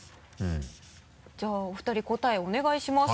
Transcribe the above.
じゃあお二人答えお願いします